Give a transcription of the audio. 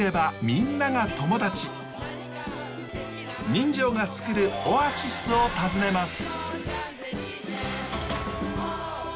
人情がつくるオアシスを訪ねます。